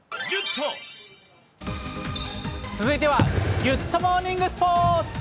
続いてはギュッとモーニングスポーツ。